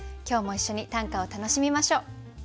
今日も一緒に短歌を楽しみましょう。